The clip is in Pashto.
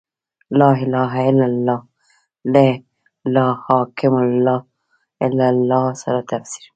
«لا اله الا الله» له «لا حاکم الا الله» سره تفسیر کړه.